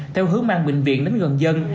theo hướng mang bệnh viện đến gần dân